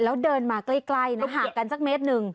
แล้วเดินมาใกล้หากันสักเน็ตหนึ่ง